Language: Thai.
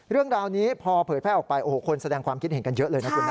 เรื่องราวนี้พอเผยแพร่ออกไปโอ้โหคนแสดงความคิดเห็นกันเยอะเลยนะคุณนะ